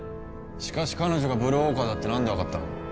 しかし彼女がブルーウォーカーだって何で分かったの？